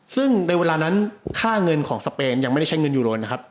ซึ่งในเวลานั้นค่าเงินของสเปนยังไม่ได้ใช้เงินยูโรนนะครับ